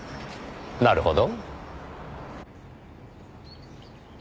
なるほど。